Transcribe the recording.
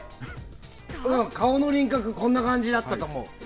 顔の輪郭こんな感じだったかも。